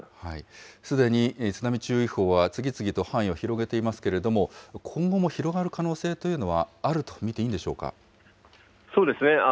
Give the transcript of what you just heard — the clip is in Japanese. すでに津波注意報は次々と範囲を広げていますけれども、今後も広がる可能性というのはあるとそうですね。